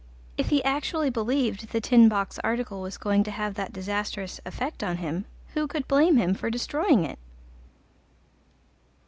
If he actually believed The Tin Box article was going to have that disastrous effect on him, who could blame him for destroying it?